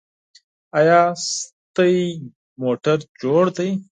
ایا ستاسو موټر جوړ دی؟